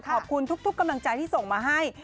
ขอบคุณทุกกำลังใจที่ส่งมาให้